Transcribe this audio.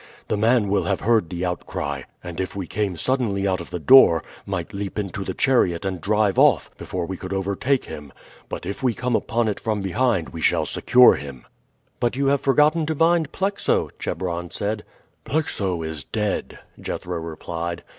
The man will have heard the outcry; and if we came suddenly out of the door, might leap into the chariot and drive off before we could overtake him. But if we come upon it from behind we shall secure him." "But you have forgotten to bind Plexo," Chebron said. "Plexo is dead," Jethro replied.